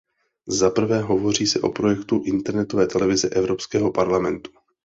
Za prvé, hovoří se o projektu internetové televize Evropského parlamentu.